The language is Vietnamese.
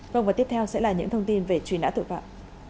vâng và tiếp theo sẽ là những thông tin về truy nã tội phạm